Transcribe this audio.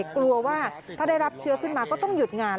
กลัวว่าถ้าได้รับเชื้อขึ้นมาก็ต้องหยุดงาน